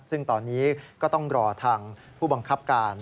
ซึ่งตอนนี้ก็ต้องรอทางผู้บังคับการ